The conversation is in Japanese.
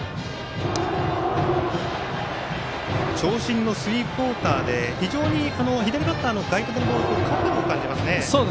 長身のスリークオーターで非常に左バッターの外角のボール高く感じますね。